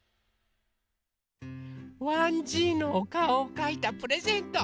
わんじいのおかおをかいたプレゼント